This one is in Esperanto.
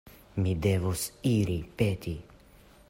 Mi devos iri peti!